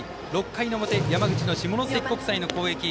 ６回の表、山口の下関国際の攻撃。